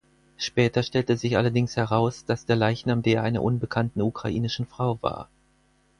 Später stellte sich allerdings heraus, dass der Leichnam der einer unbekannten ukrainischen Frau war.